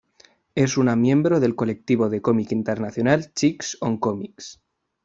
Es una miembro del colectivo de cómic internacional Chicks on comics.